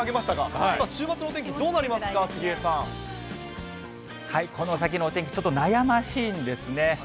さあ、週末のお天気、どうなりますか、この先のお天気、ちょっと悩ましいんですね。